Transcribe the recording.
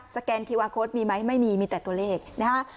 แกนคิวอาร์โค้ดมีไหมไม่มีมีแต่ตัวเลขนะฮะ